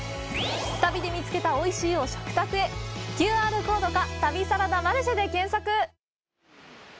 “旅”で見つけた「美味しい」を食卓へＱＲコードか「旅サラダマルシェ」で検索。